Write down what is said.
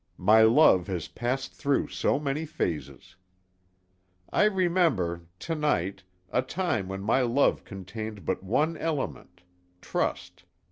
My love has passed through so many phases. I remember, to night, a time when my love contained but one element trust.